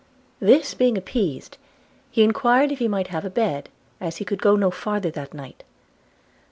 This being appeased, he enquired if he might have a bed, as he could go no farther that night.